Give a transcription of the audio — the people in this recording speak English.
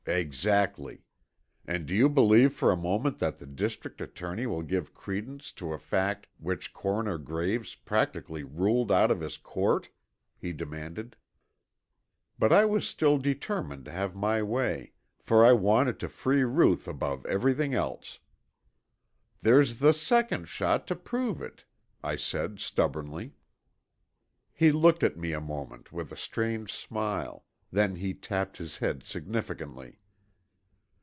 "Exactly. And do you believe for a moment that the district attorney will give credence to a fact which Coroner Graves practically ruled out of his court?" he demanded. But I was still determined to have my way, for I wanted to free Ruth above everything else. "There's the second shot to prove it," I said stubbornly. He looked at me a moment with a strange smile, then he tapped his head significantly.